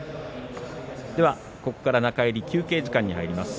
ここから中入り、休憩時間に入ります。